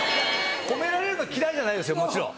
褒められるの嫌いじゃないですよもちろん。